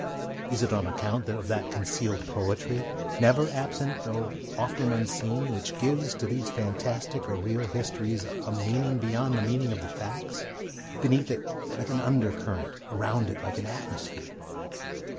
Is it on account of that concealed poetry, never absent though often unseen, which gives to these fantastic or real histories a meaning beyond the meaning of the facts, beneath it like an under current, around it like an atmosphere?